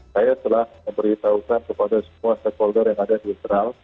saya telah memberitahukan kepada semua stakeholder yang ada di internal